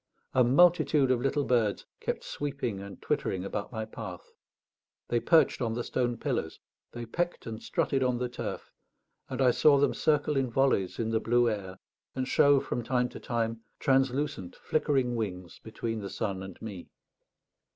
A multitude of little birds kept sweeping and twittering about my path; they perched on the stone pillars, they pecked and strutted on the turf, and I saw them circle in volleys in the blue air, and show, from time to time, translucent flickering wings between the sun and me.